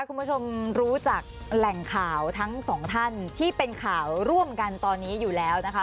คุณผู้ชมรู้จักแหล่งข่าวทั้งสองท่านที่เป็นข่าวร่วมกันตอนนี้อยู่แล้วนะคะ